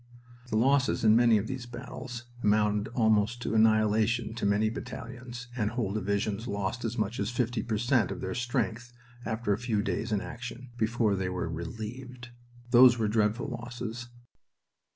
The losses in many of these battles amounted almost to annihilation to many battalions, and whole divisions lost as much as 50 per cent of their strength after a few days in action, before they were "relieved." Those were dreadful losses.